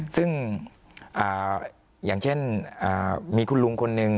ซึ่งอย่างเช่นมีคุณลุงคนหนึ่ง